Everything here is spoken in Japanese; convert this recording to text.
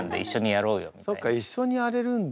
そっか一緒にやれるんだ。